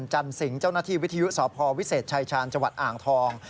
จันสิงห์เจ้าหน้าที่วิทยุสพวิเศษชายชาญจังหวัดอ่างทอง